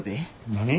何？